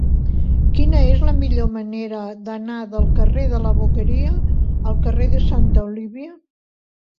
Quina és la millor manera d'anar del carrer de la Boqueria al carrer de Santa Olívia?